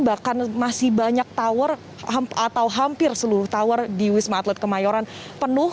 bahkan masih banyak tower atau hampir seluruh tower di wisma atlet kemayoran penuh